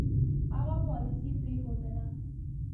هغه پالیسي پرېښودله.